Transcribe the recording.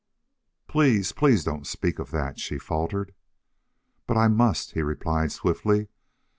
"Please please don't speak of that!" she faltered. "But I must," he replied, swiftly.